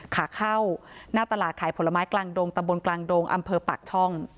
ขาเข้าหน้าตลาดขายผลไม้กลางดงตำบลกลางดงอำเภอปากช่อง